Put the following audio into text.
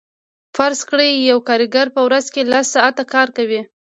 فرض کړئ یو کارګر په ورځ کې لس ساعته کار کوي